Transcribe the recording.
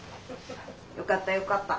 よかったよかった。